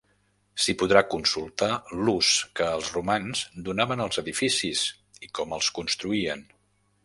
S'hi podrà consultar l'ús que els romans donaven als edificis i com els construïen.